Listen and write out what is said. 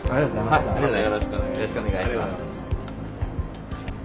またよろしくお願いします。